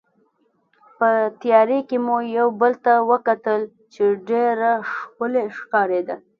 په تیارې کې مو یو بل ته وکتل چې ډېره ښکلې ښکارېده.